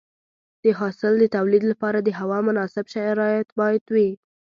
د حاصل د تولید لپاره د هوا مناسب شرایط باید وي.